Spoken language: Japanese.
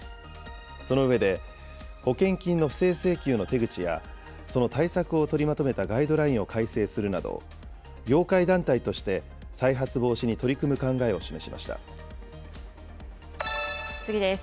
その上で、保険金の不正請求の手口やその対策を取りまとめたガイドラインを改正するなど、業界団体として再発防止に取り組む考えを示しまし次です。